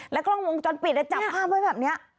แล้วกล้องวงจรปิดจับผ้าไว้แบบนี้